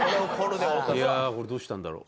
いやあこれどうしたんだろう？